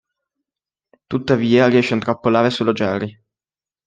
Tuttavia riesce a intrappolare solo Jerry.